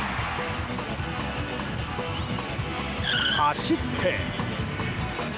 走って。